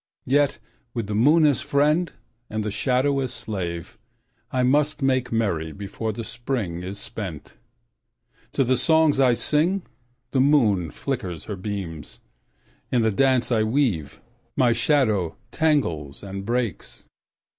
Yet with the moon as friend and the shadow as slave I must make merry before the Spring is spent. To the songs I sing the moon flickers her beams; In the dance I weave my shadow tangles and breaks.